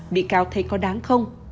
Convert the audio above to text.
bị cáo thấy có đáng không